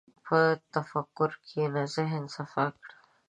په تفکر کښېنه، ذهن صفا کړه.